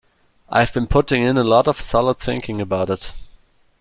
I've been putting in a lot of solid thinking about it.